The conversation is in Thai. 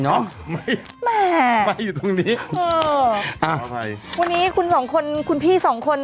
เนอะไม่ไม่ไม่อยู่ตรงนี้เอออ่าวันนี้คุณสองคนคุณพี่สองคน